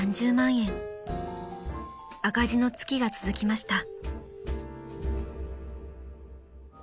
［赤字の月が続きました］